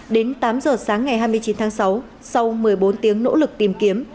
đến tám giờ sáng ngày hai mươi chín tháng sáu sau một mươi bốn tiếng nỗ lực tìm kiếm